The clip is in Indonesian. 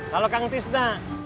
kalau kang tisna